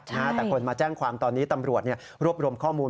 แต่คนมาแจ้งความตอนนี้ตำรวจรวบรวมข้อมูล